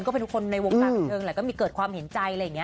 ก็เป็นคนในวงตาของเธอแหละก็มีเกิดความเห็นใจ